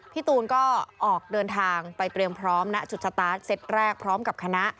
พี่ตูนก็ออกเดินทางไปเตรียมพร้อมณจุดสตาร์ทเซตแรกพร้อมกับคณะ